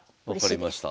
分かりました。